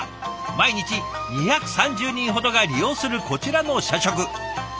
毎日２３０人ほどが利用するこちらの社食。